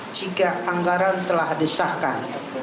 jika anggaran telah disahkan